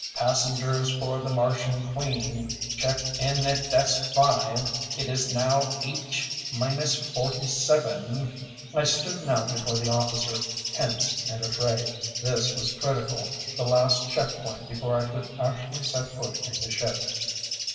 "Passengers for the Martian Queen, check in at desk five. It is now H minus forty seven." I stood now before the officer, tense and afraid. This was critical, the last check point before I could actually set foot in the ship.